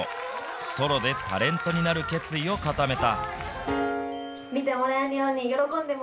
ソロでタレントになる決意を固めた。